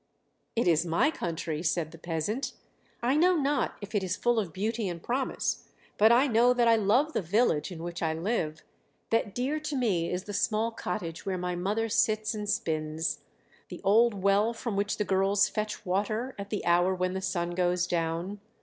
"It is my country," said the peasant. "I know not if it is full of beauty and promise, but I know that I love the village in which I live, that dear to me is the small cottage where my mother sits and spins, the old well from which the girls fetch water at the hour when the sun goes down.